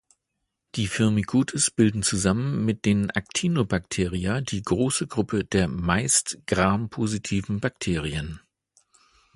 Die Firmicutes bilden zusammen mit den Actinobacteria die große Gruppe der "meist" Gram-positiven Bakterien.